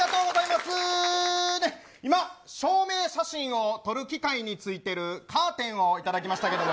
今、証明写真を撮る機械についてるカーテンをいただきましたけど。